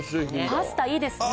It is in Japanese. パスタいいですね。